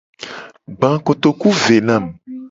Gba kotoku ve na mu.